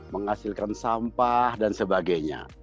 menghasilkan sampah dan sebagainya